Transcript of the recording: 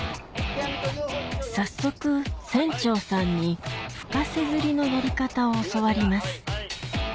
早速船長さんにフカセ釣りのやり方を教わります